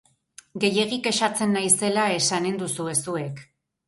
Gehiegi kexatzen naizela esanen duzue zuek.